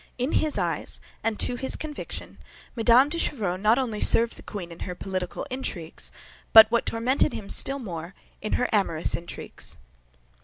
In his eyes and to his conviction, Mme. de Chevreuse not only served the queen in her political intrigues, but, what tormented him still more, in her amorous intrigues.